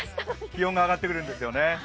気温が上がってくるんですよね。